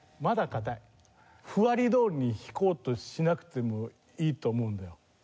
譜割りどおりに弾こうとしなくてもいいと思うんだよ。